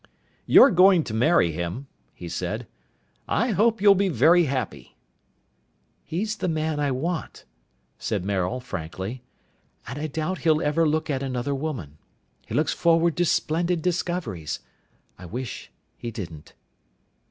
"You're going to marry him," he said. "I hope you'll be very happy." "He's the man I want," said Maril frankly. "And I doubt he'll ever look at another woman. He looks forward to splendid discoveries. I wish he didn't."